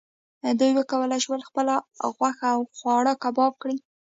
دوی وکولی شول خپله غوښه او خواړه کباب کړي.